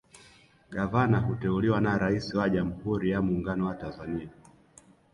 Gavana huteuliwa na Rais wa Jamhuri ya Mungano wa Tanzania